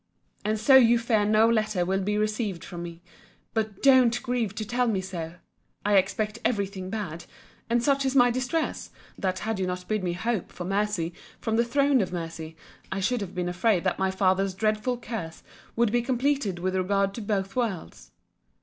And so you fear no letter will be received from me. But DON'T grieve to tell me so! I expect every thing bad—and such is my distress, that had you not bid me hope for mercy from the throne of mercy, I should have been afraid that my father's dreadful curse would be completed with regard to both worlds.